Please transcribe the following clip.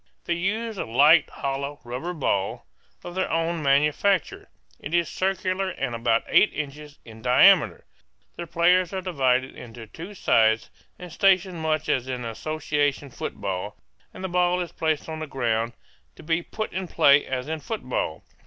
They use a light hollow rubber ball, of their own manufacture. It is circular and about eight inches in diameter. The players are divided into two sides, and stationed much as in association football, and the ball is placed on the ground to be put in play as in football.